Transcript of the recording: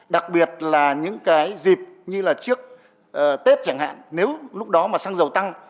đặc biệt là những cái dịp như là trước tết chẳng hạn nếu lúc đó mà xăng dầu tăng